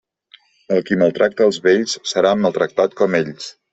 El qui maltracta els vells, serà maltractat com ells.